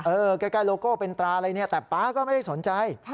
ใกล้โลโก้เป็นตราอะไรเนี่ยแต่ป๊าก็ไม่ได้สนใจ